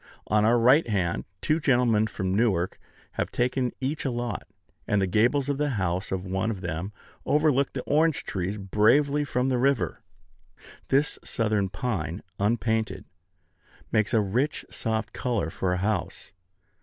On our right hand, two gentlemen from Newark have taken each a lot; and the gables of the house of one of them overlook the orange trees bravely from the river. This southern pine, unpainted, makes a rich, soft color for a house.